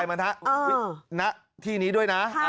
เข้าใจมันนะที่นี้ด้วยนะ